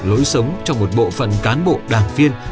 lối sống trong một bộ phận cán bộ đảng viên